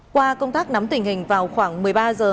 qua công tác nắm tình hình vào khoảng một mươi ba h